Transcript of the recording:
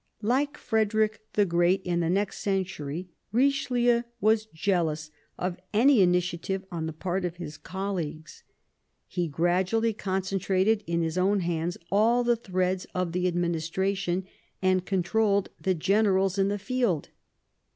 Like Frederick the Great in the next century, Kichelieu was jealous of any initiative on the part of his colleagues. He gradually concentrated in his own hands all the threads of the administration, and controlled the generals in the field.